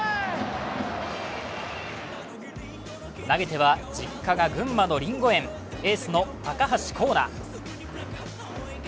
投げては実家が群馬のりんご園、エースの高橋光成。